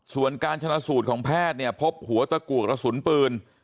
ส่วนการชนะสูตรของแพทย์เนี่ยพบหัวตะกัวกระสุนปืน